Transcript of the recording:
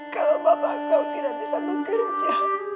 kalau bapak kau tidak bisa bekerja